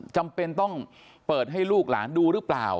จำเป็นต้องเปิดให้ลูกหลานดูหรือเปล่า